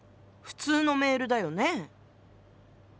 普通のメールだよね。